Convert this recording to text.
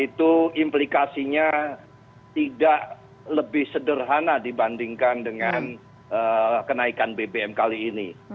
itu implikasinya tidak lebih sederhana dibandingkan dengan kenaikan bbm kali ini